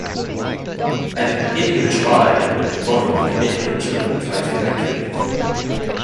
At the beginning of July, a mother, with eight little children, tried to evacuate.